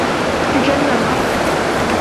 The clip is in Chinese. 是真的吗？